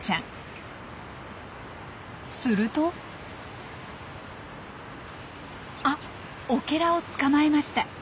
するとあオケラを捕まえました。